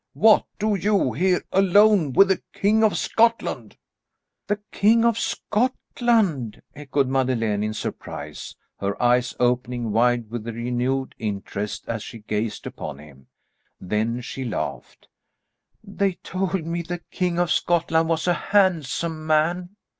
What do you here alone with the King of Scotland?" "The King of Scotland!" echoed Madeleine, in surprise, her eyes opening wide with renewed interest as she gazed upon him. Then she laughed. "They told me the King of Scotland was a handsome man!"